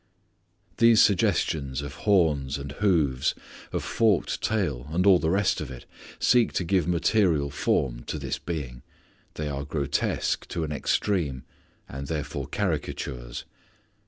These suggestions of horns and hoofs, of forked tail and all the rest of it seek to give material form to this being. They are grotesque to an extreme, and therefore caricatures.